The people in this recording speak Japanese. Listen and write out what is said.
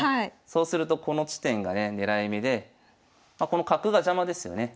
そうするとこの地点がね狙い目でまあこの角が邪魔ですよね。